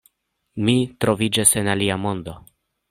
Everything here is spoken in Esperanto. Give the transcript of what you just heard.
Mi troviĝas en alia mondo.